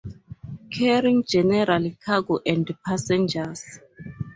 Carrying general cargo and passengers.